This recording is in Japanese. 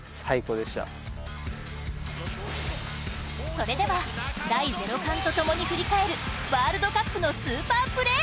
それでは『第ゼロ感』とともに振り返るワールドカップのスーパープレー